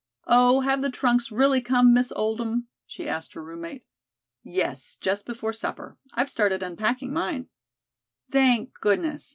"Oh, have the trunks really come, Miss Oldham?" she asked her roommate. "Yes, just before supper. I've started unpacking mine." "Thank goodness.